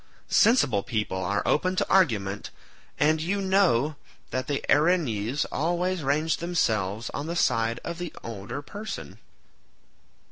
Sensible people are open to argument, and you know that the Erinyes always range themselves on the side of the older person."